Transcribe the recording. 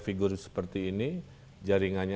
figur seperti ini jaringannya